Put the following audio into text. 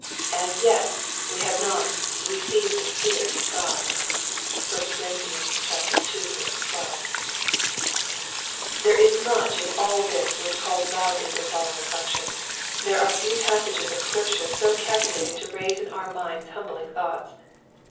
As yet we have not " received the Spirit of God/' (1 Cor. ii. 12.) There is much in all this which calls loudly for solemn reflection. Ther are few passages of Scripture so calcu lated to raise in our minds humbling thoughts.